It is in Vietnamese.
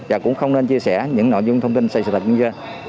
và cũng không nên chia sẻ những nội dung thông tin xây dựng